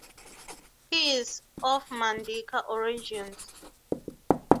He is of Mandinka origins.